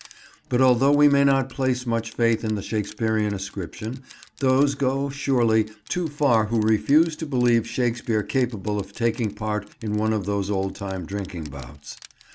But although we may not place much faith in the Shakespearean ascription, those go, surely, too far who refuse to believe Shakespeare capable of taking part in one of these old time drinking bouts.